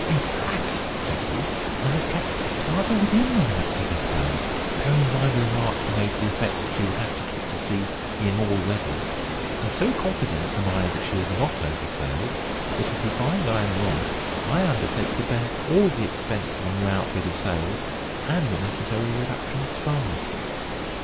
"In fact," said he, "I have kept rather within the limit of her powers, bearing in mind a remark you made to the effect that she would have to keep to sea in all weathers; and so confident am I that she is not over sailed, that if you find I am wrong, I undertake to bear all the expense of a new outfit of sails, and the necessary reduction of spars.